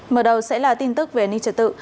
mở đầu sẽ là tin tức về an ninh trật tự